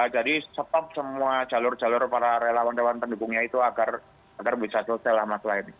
jadi stop semua jalur jalur para relawan relawan pendukungnya itu agar bisa selamat lain